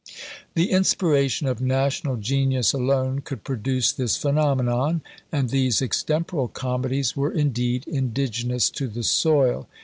The inspiration of national genius alone could produce this phenomenon; and these Extemporal Comedies were, indeed, indigenous to the soil.